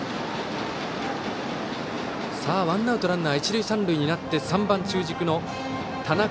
さあ、ワンアウトランナー、一塁三塁となって３番、中軸の田中。